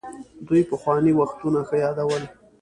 دوی پخواني وختونه ښه يادول.